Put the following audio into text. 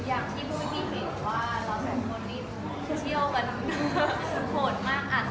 ขอบคุณน้องเรียกว่าเราแสดงคนนี้เชี่ยวกันโหดมาก